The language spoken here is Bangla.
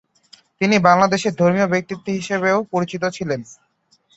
তিনি বাংলাদেশের ধর্মীয় ব্যক্তিত্ব হিসেবেও পরিচিত ছিলেন।